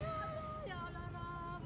ya allah ya allah ya allah